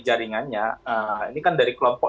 jaringannya ini kan dari kelompok